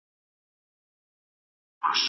ایا د سترګو د پړسوب لپاره د کدو پوستکی کارول کېږي؟